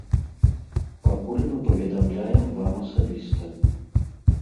Пакуль мы паведамляем вам асабіста.